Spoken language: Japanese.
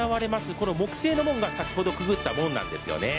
この木製の門が先ほどくぐった門なんですよね。